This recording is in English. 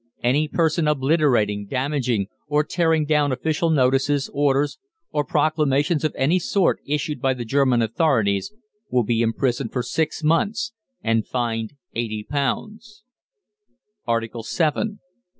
Any person obliterating, damaging, or tearing down official notices, orders, or proclamations of any sort issued by the German authorities will be imprisoned for six months, and fined £80. ARTICLE VII.